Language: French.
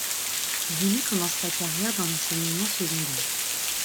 Remy commence sa carrière dans l'enseignement secondaire.